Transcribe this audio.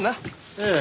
ええ。